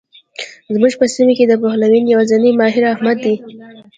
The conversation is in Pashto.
زموږ په سیمه کې د پلوهنې يوازنی ماهر؛ احمد دی.